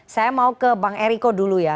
saya mau ke bang eriko dulu ya